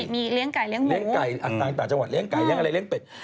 ปกติมีเลี้ยงไก่เลี้ยงหมูเลี้ยงไก่อันต่างจังหวัดเลี้ยงไก่เลี้ยงอะไรเลี้ยงเป็ด